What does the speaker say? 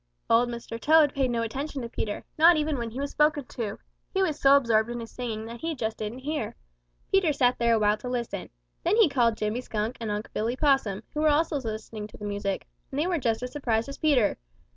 Old Mr. Toad paid no attention to Peter, not even when he was spoken to. He was so absorbed in his singing that he just didn't hear. Peter sat there a while to listen; then he called Jimmy Skunk and Unc' Billy Possum, who were also listening to the music, and they were just as surprised as Peter.